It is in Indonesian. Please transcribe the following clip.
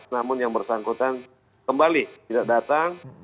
namun yang bersangkutan kembali tidak datang